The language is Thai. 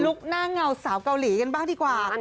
หน้าเงาสาวเกาหลีกันบ้างดีกว่า